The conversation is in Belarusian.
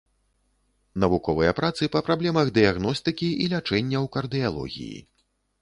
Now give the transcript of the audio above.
Навуковыя працы па праблемах дыягностыкі і лячэння ў кардыялогіі.